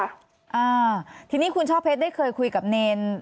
อ่าทีนี้คุณช่อเพชรได้เคยคุยกับเนร